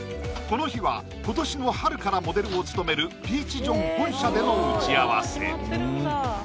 この日は今年の春からモデルを務めるピーチ・ジョン本社での打ち合わせ